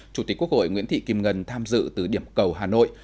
chủ tịch quốc hội nguyễn thị kim ngân tham dự từ điểm cầu hà nội